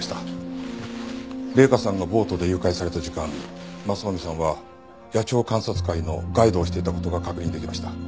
麗華さんがボートで誘拐された時間雅臣さんは野鳥観察会のガイドをしていた事が確認できました。